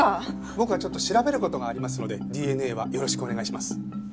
僕はちょっと調べる事がありますのでＤＮＡはよろしくお願いします。